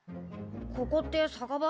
ここって酒場？